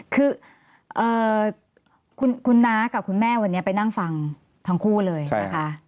คือคุณน้ากับคุณแม่วันนี้ไปนั่งฟังทั้งคู่เลยนะคะ